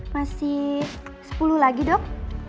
masih sepuluh lagi dok